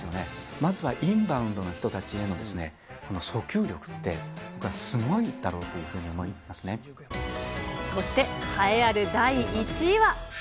まずはインバウンドの人たちへの訴求力ってすごいだろうというふそして、栄えある第１位は。